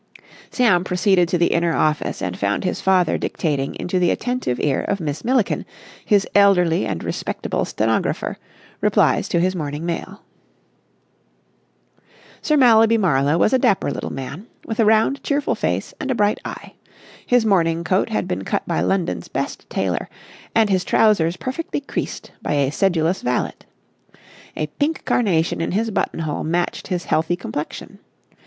Sam proceeded to the inner office, and found his father dictating into the attentive ear of Miss Milliken, his elderly and respectable stenographer, replies to his morning mail. Sir Mallaby Marlowe was a dapper little man, with a round, cheerful face and a bright eye. His morning coat had been cut by London's best tailor, and his trousers perfectly creased by a sedulous valet. A pink carnation in his buttonhole matched his healthy complexion.